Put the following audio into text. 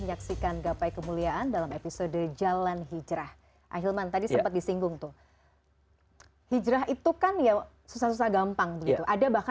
akhirnya baik baik pak mirsa